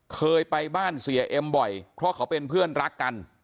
เคยไปบ้านเสียเอ็มบ่อยเพราะเขาเป็นเพื่อนรักกัน